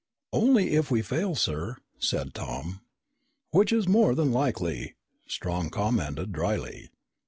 "Only if we fail, sir," said Tom. "Which is more than likely," Strong commented dryly.